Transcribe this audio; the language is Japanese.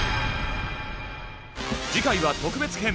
次回は特別編。